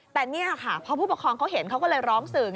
แต่นี่ค่ะพอผู้ปกครองเขาเห็นเขาก็เลยร้องสื่อ